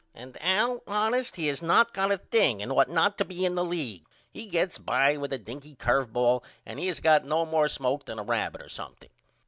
And Al honest he has not got a thing and ought not to be in the league. He gets by with a dinky curve ball and has not got no more smoke than a rabbit or something.